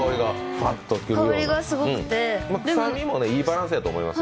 くさみもいいバランスやと思いますよ。